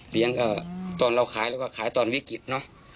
ตอนเราขายเราก็ขายตอนวิกฤตเนอะ